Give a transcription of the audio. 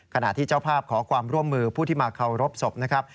ขณะที่เจ้าภาพขอความร่วมมือผู้ที่มาเคารพศพนะครับ